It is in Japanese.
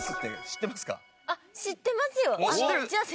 あっ知ってますよ！